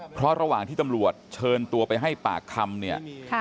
เพราะระหว่างที่ตำรวจเชิญตัวไปให้ปากคำเนี่ย